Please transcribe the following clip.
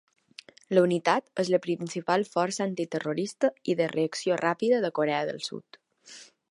La unitat és la principal força antiterrorista i de reacció ràpida de Corea del Sud.